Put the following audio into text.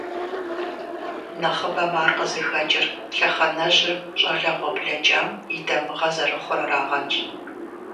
Нэхъыбэм ар къызыхэкӀыр лъэхъэнэжьыр щӀалэгъуэ блэкӀам и дамыгъэ зэрыхъур арагъэнщ.